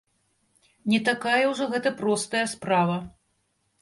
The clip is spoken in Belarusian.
Не такая ўжо гэта простая справа.